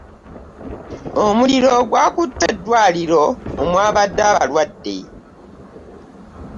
Omuliro gwakutte eddwaaliro omwabadde abalwadde.